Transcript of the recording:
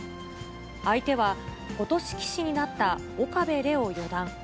相手は、ことし棋士になった岡部怜央四段。